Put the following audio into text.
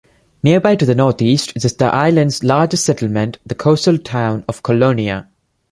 Nearby to the northeast is the island's largest settlement, the coastal town of Kolonia.